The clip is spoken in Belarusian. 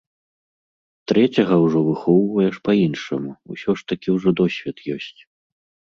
Трэцяга ўжо выхоўваеш па-іншаму, усё ж такі ўжо досвед ёсць.